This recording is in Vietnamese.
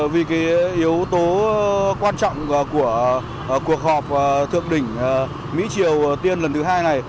vì cái yếu tố quan trọng của cuộc họp thượng đỉnh mỹ triều tiên lần thứ hai này